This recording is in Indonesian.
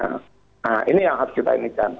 nah ini yang harus kita inginkan